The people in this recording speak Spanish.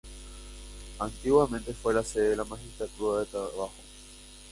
Antiguamente fue la sede de la Magistratura de Trabajo.